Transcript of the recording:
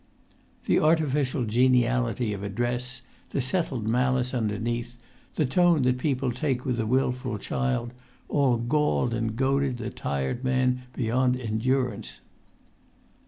The artificial geniality of address, the settled malice underneath, the tone that people take with a wilful child, all galled and goaded the tired man beyond endurance.